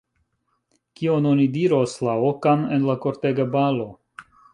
Kion oni diros, la okan, en la kortega balo?